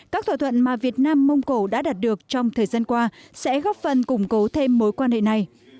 các thỏa thuận mà việt nam mông cổ đã đạt được trong thời gian qua sẽ góp phần củng cố thêm mối quan hệ này